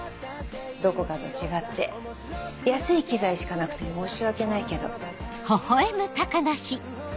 どこかと違って安い機材しかなくて申し訳ないけど。